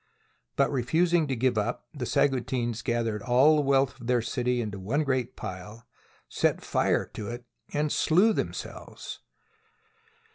But refusing to give up, the Saguntines gathered all the wealth of their city into one great pile, set fire to it, and slew themselves.